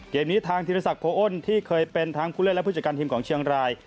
เกมนี้ทางธีรศักดิโพอ้นที่เคยเป็นทั้งผู้เล่นและผู้จัดการทีมของเชียงราย